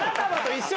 一緒？